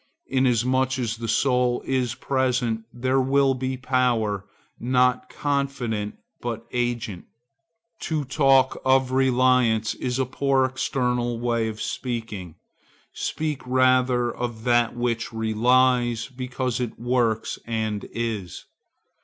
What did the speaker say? Inasmuch as the soul is present there will be power not confident but agent. To talk of reliance is a poor external way of speaking. Speak rather of that which relies because it works and is.